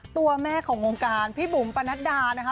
ตัวแม่ของวงการพี่บุ๋มปนัดดานะคะ